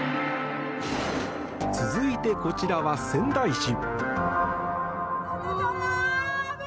続いてこちらは仙台市。